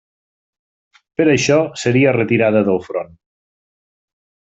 Per això, seria retirada del front.